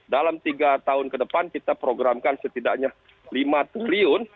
dalam tiga tahun ke depan kita programkan setidaknya lima triliun